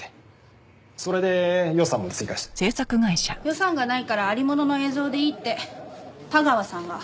予算がないからありものの映像でいいって田川さんが。